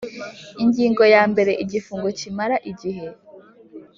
Ingingo ya mbere Igifungo kimara igihe